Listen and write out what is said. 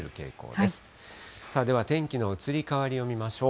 では天気の移り変わりを見ましょう。